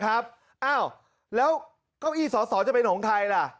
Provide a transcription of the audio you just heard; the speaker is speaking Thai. อ้าวแล้วเก้าอี้สอสอจะเป็นของใครล่ะ